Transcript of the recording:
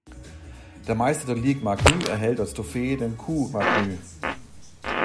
Der Meister der Ligue Magnus erhält als Trophäe den «Coupe Magnus».